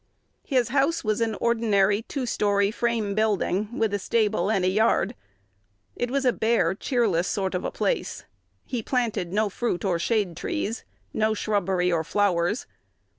His house was an ordinary two story frame building, with a stable and a yard: it was a bare, cheerless sort of a place. He planted no fruit or shade trees, no shrubbery or flowers.